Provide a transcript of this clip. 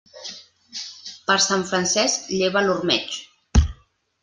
Per Sant Francesc, lleva l'ormeig.